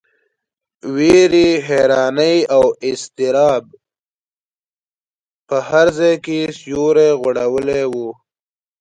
وېرې، حیرانۍ او اضطراب په هر ځای کې سیوری غوړولی و.